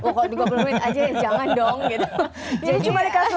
kok tiga puluh menit aja ya jangan dong gitu